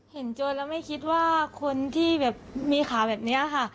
โจรแล้วไม่คิดว่าคนที่แบบมีข่าวแบบนี้ค่ะ